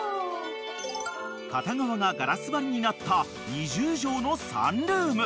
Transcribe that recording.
［片側がガラス張りになった２０畳のサンルーム］